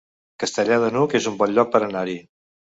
Castellar de n'Hug es un bon lloc per anar-hi